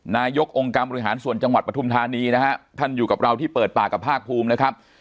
นายกองค์การบริหารส่วนจังหวัดปฐุมธานีนะฮะท่านอยู่กับเราที่เปิดปากกับภาคภูมินะครับ